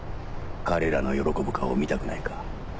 彼らの喜ぶ顔を見たくないか？